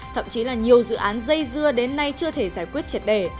thậm chí là nhiều dự án dây dưa đến nay chưa thể giải quyết triệt đề